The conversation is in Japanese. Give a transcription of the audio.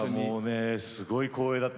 すごい光栄だった。